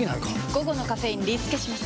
午後のカフェインリスケします！